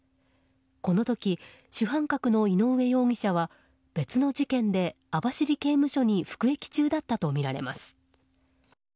この時、主犯格の井上容疑者は別の事件で網走刑務所に服役中だったとみられます。